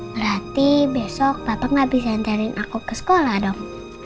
berarti besok bapak gak bisa nganterin aku ke sekolah dong